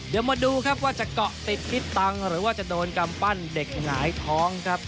เดี๋ยวมาดูครับว่าจะเกาะติดฟิตตังค์หรือว่าจะโดนกำปั้นเด็กหงายท้องครับ